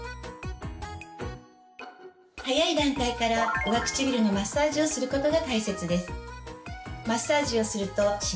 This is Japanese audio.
早い段階から上唇のマッサージをすることが大切です。